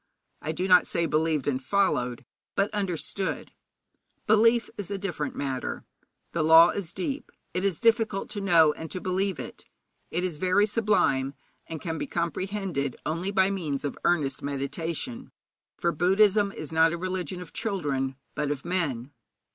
I do not say believed and followed, but understood. Belief is a different matter. 'The law is deep; it is difficult to know and to believe it. It is very sublime, and can be comprehended only by means of earnest meditation,' for Buddhism is not a religion of children, but of men.